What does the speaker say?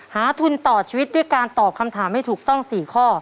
ทุนต่อชีวิตด้วยการตอบคำถามให้ถูกต้อง๔ข้อ